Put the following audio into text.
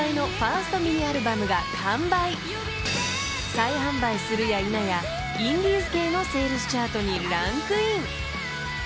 ［再販売するやいなやインディーズ系のセールスチャートにランクイン］